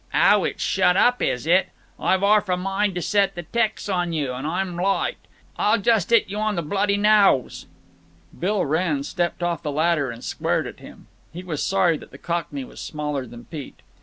"Ow…. It's shut up, is it?… I've 'arf a mind to set the 'tecs on you, but I'm lyte. I'll just 'it you on the bloody nowse." Bill Wrenn stepped off the ladder and squared at him. He was sorry that the Cockney was smaller than Pete.